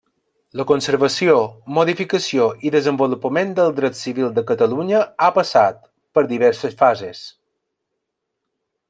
La conservació, modificació i desenvolupament del dret civil de Catalunya ha passat, per diverses fases.